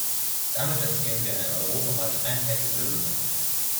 Damit erzielen wir eine europaweit einheitliche Lösung.